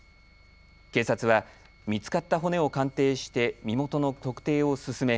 警察は見つかった骨を鑑定して身元の特定を進め